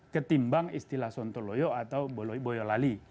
ketimbang istilah sontoloyo atau boyolali